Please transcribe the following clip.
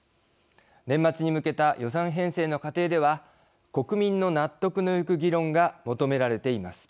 年末に向けた予算編成の過程では国民の納得のいく議論が求められています。